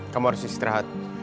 kamu harus istirahat